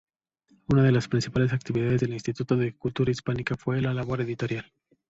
Una de las principales actividades del Instituto de Cultura Hispánica fue la labor editorial.